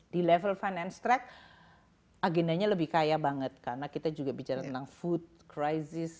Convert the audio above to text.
di level finance track agendanya lebih kaya banget karena kita juga bicara tentang food crisis